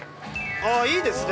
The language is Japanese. ◆あいいですね。